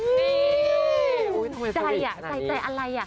นี่ใจอ่ะใจอะไรอ่ะ